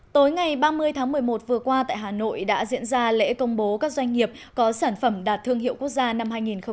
tối ngày ba mươi tháng một mươi một vừa qua tại hà nội đã diễn ra lễ công bố các doanh nghiệp có sản phẩm đạt thương hiệu quốc gia năm hai nghìn một mươi chín